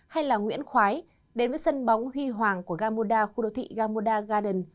hay nguyễn khoái đến với sân bóng huy hoàng của gamoda khu đô thị gamoda garden